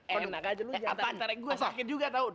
eh enak aja lu